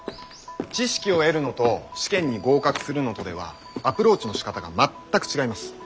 知識を得るのと試験に合格するのとではアプローチのしかたが全く違います。